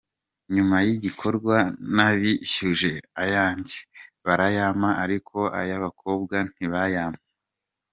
Nyuma y’igikorwa nabishyuje ayanjye barayampa ariko ay'abakobwa ntibayampa.